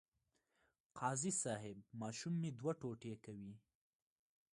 قاضي صیب ماشوم مه دوه ټوټې کوئ.